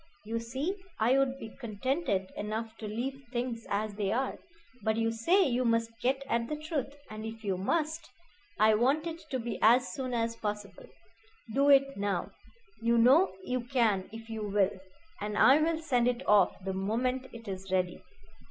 You see, I would be contented enough to leave things as they are; but you say you must get at the truth, and if you must, I want it to be as soon as possible. Do it now you know you can if you will and I'll send it off the moment it is ready.